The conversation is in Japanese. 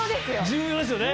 重要ですよね！